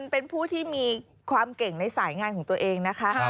เป็นผู้ที่มีความเก่งในสายงานของตัวเองนะคะ